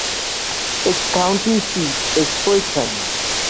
Its county seat is Fulton.